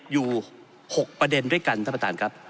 อยู่๖ประเด็นด้วยกันท่านประธานครับ